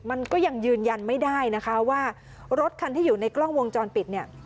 มันก็ยังยืนยันไม่ได้นะคะว่ารถคันที่อยู่ในกล้องวงจรปิดเนี่ย